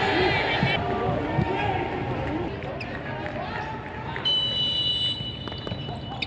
สุดท้ายสุดท้าย